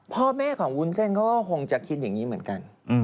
พ่อแม่ของวุ้นเส้นเขาก็คงจะคิดอย่างนี้เหมือนกัน